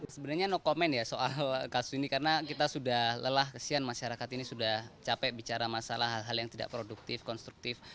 sebenarnya no command ya soal kasus ini karena kita sudah lelah kesian masyarakat ini sudah capek bicara masalah hal hal yang tidak produktif konstruktif